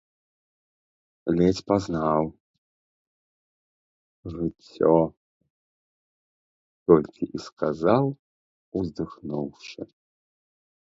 Ледзь пазнаў. «Жыццё… »- толькі і сказаў, уздыхнуўшы.